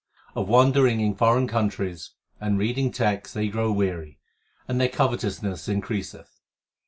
Of wandering in foreign countries and reading texts they grow weary, and their covetousness increaseth.